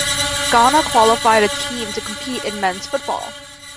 Ghana qualified a team to compete in men's football.